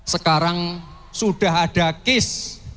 sekarang sudah ada kis